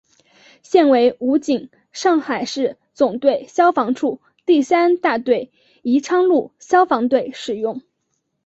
现为武警上海市总队消防处第三大队宜昌路消防队使用。